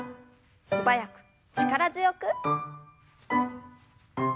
素早く力強く。